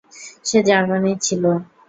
সে জার্মানির ছিল।